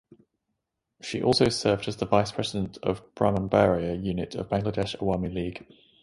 She also served as the vice president of Brahmanbaria unit of Bangladesh Awami League.